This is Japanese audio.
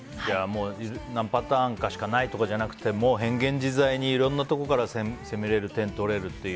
何パターンとかしかないとかじゃなくて変幻自在にいろんなところから攻めれる、点が取れると。